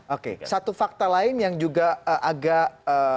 oke satu fakta lain yang juga agak